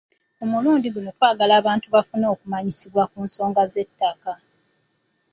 Ku mulundi guno twagala abantu bafune okumanyisibwa ku nsonga z’ettaka.